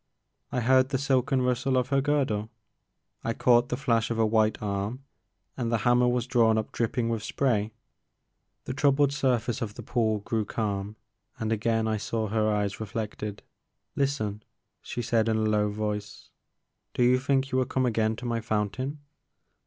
I heard the silken rustle of her girdle, I caught the flash of a white arm, and the hammer was drawn up drip ping with spray. The troubled surface of the pool grew calm and again I saw her eyes reflected. Listen, she said in a low voice, do you think you will come again to my fountain